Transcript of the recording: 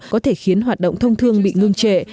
có thể khiến hoạt động thông thương bị ngưng trệ